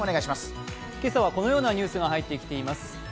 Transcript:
今朝はこのようなニュースが入ってきています。